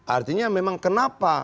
artinya memang kenapa